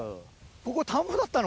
ここ田んぼだったの？